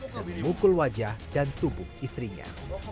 dan memukul wajah dan tubuh istrinya